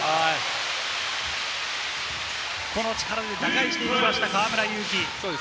個の力で打開していきました、河村勇輝。